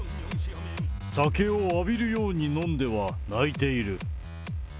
酒を浴びるように飲んでは泣いている。